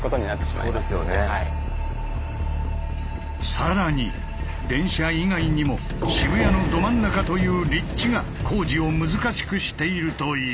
さらに電車以外にも渋谷のど真ん中という立地が工事を難しくしているという。